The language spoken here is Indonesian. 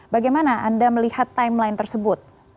bagaimana anda melihat timeline tersebut